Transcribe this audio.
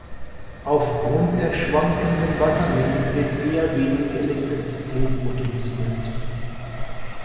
Aufgrund der schwankenden Wassermengen wird eher wenig Elektrizität produziert.